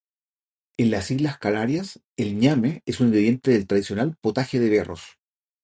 En las Islas Canarias, el ñame es un ingrediente del tradicional potaje de berros.